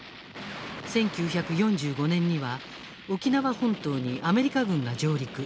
１９４５年には沖縄本島にアメリカ軍が上陸。